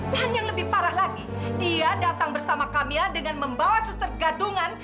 dan yang lebih parah lagi dia datang bersama kamila dengan membawa suster gadungan